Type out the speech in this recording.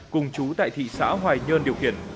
cùng chú tại thị xã hoài nhơn điều khiển